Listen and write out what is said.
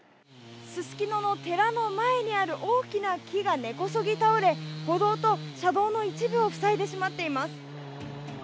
すすきのの寺の前にある大きな木が根こそぎ倒れ、歩道と車道の一部を塞いでしまっています。